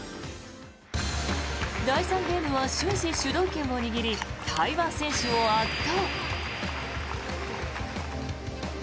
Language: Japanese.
第３ゲームは終始主導権を握り台湾選手を圧倒。